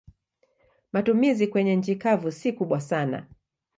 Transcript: Matumizi kwenye nchi kavu si kubwa sana.